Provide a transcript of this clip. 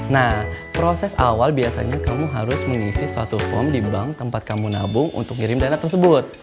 nah proses awal biasanya kamu harus mengisi suatu form di bank tempat kamu nabung untuk ngirim dana tersebut